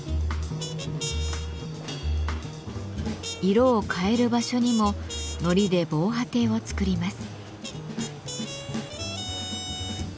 色を変える場所にも糊で防波堤を作ります。